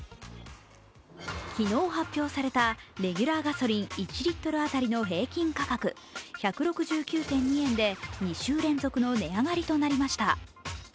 昨日発表されたレギュラーガソリン１リットル当たりの平均価格１６９．２円で、２週連続の値上がりとなりました。